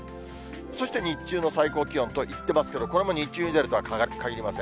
そして日中の最高気温と言ってますけど、これも日中に出るとはかぎりません。